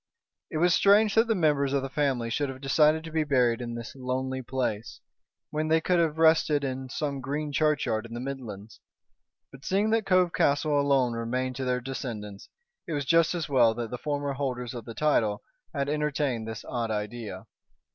It was strange that the members of the family should have decided to be buried in this lonely place, when they could have rested in some green churchyard in the Midlands. But, seeing that Cove Castle alone remained to their descendants, it was just as well that the former holders of the title had entertained this odd idea.